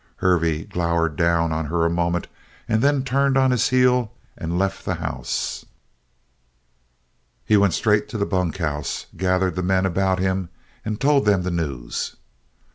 Hervey glowered down on her a moment and then turned on his heel and left the house. He went straight to the bunkhouse, gathered the men about him, and told them the news.